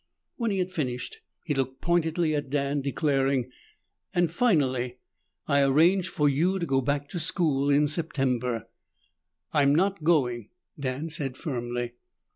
When he had finished, he looked pointedly at Dan, declaring, "And finally, I arranged for you to go back to school in September." "I'm not going," Dan said firmly.